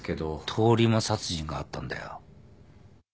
通り魔殺人があったんだよ。